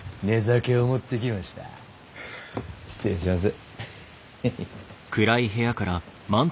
失礼します。